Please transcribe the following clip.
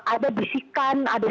ada bisikan ada